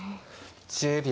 １０秒。